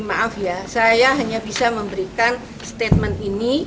maaf ya saya hanya bisa memberikan statement ini